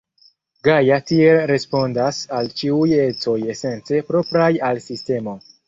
Gaja tiel respondas al ĉiuj ecoj esence propraj al sistemo.